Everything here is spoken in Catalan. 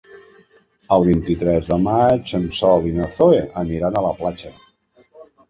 El vint-i-tres de maig en Sol i na Zoè aniran a la platja.